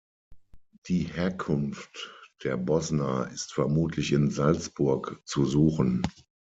Die Herkunft der Bosna ist vermutlich in Salzburg zu suchen.